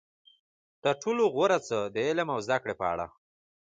تر ټولو غوره څه د علم او زده کړې په اړه.